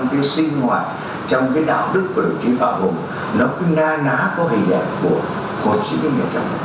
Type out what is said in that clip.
nó cứ na ná có hình ảnh của chủ tịch hồ chí minh này